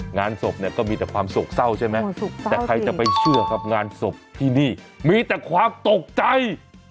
งานศพเนี่ยก็มีแต่ความโศกเศร้าใช่ไหมแต่ใครจะไปเชื่อครับงานศพที่นี่มีแต่ความตกใจ